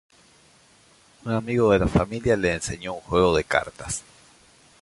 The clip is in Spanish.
Un amigo de la familia le enseñó un juego de cartas.